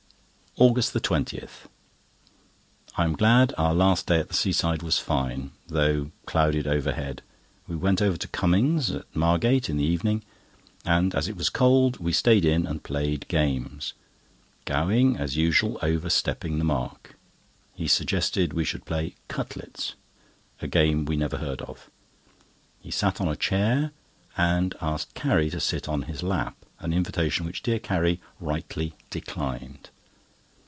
AUGUST 20.—I am glad our last day at the seaside was fine, though clouded overhead. We went over to Cummings' (at Margate) in the evening, and as it was cold, we stayed in and played games; Gowing, as usual, overstepping the mark. He suggested we should play "Cutlets," a game we never heard of. He sat on a chair, and asked Carrie to sit on his lap, an invitation which dear Carrie rightly declined.